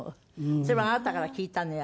それもあなたから聞いたのよ